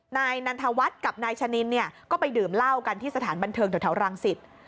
นายนันทวัฒน์กับนายชะนินเนี่ยก็ไปดื่มเหล้ากันที่สถานบันเทิงแถวรังสิต